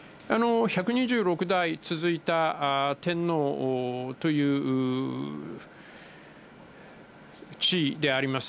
１２６代続いた天皇という地位であります。